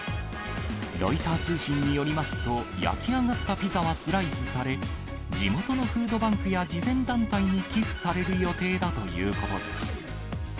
ロイター通信によりますと、焼き上がったピザはスライスされ、地元のフードバンクや慈善団体に寄付される予定だということです。